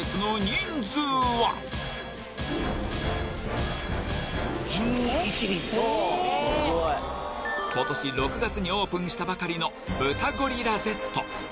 １１人です今年６月にオープンしたばかりの豚五里羅Ｚ